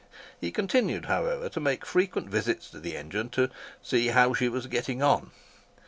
He continued, however, to make frequent visits to the engine, to see "how she was getting on."